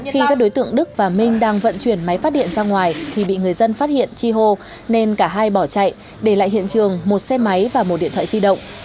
khi các đối tượng đức và minh đang vận chuyển máy phát điện ra ngoài thì bị người dân phát hiện chi hô nên cả hai bỏ chạy để lại hiện trường một xe máy và một điện thoại di động